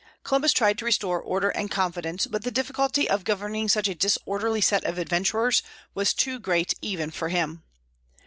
Columbus tried to restore order and confidence; but the difficulty of governing such a disorderly set of adventurers was too great even for him.